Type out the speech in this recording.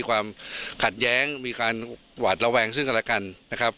ขัดแย้งมีการหวัดระแวงซึ่งกับกัน